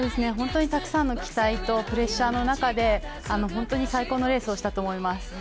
本当にたくさんの期待と、プレッシャーの中で、本当に最高のレースをしたと思います。